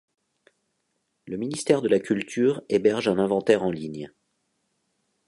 Le Ministère de la Culture héberge un inventaire en ligne.